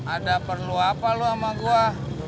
ada perlu apa lo sama gue